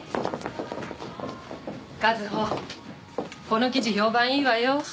この記事評判いいわよ。